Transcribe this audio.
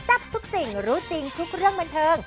ทับทุกสิ่งรู้จริงทุกเรื่องบันเทิง